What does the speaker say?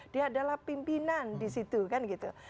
dia adalah pimpinan di situ kan gitu